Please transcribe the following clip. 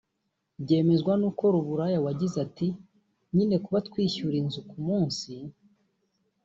Byemezwa n’ukora uburaya wagize ati “Nyine kuba twishyura inzu ku munsi